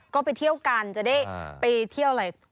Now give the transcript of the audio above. ก็ไปเที่ยวกันจะได้ไปเที่ยวอะไร